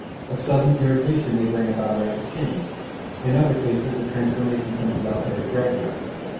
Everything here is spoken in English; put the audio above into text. A sudden irritation may bring about a rapid change; in other cases the transformation comes about very gradually.